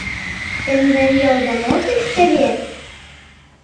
Тендан йолда мо пеш чевер?